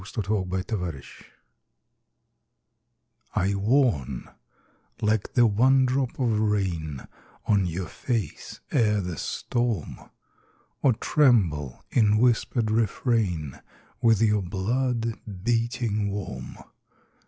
THE VOICE OF THE VOID I warn, like the one drop of rain On your face, ere the storm; Or tremble in whispered refrain With your blood, beating warm.